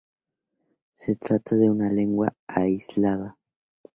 Se trata de una lengua aislada.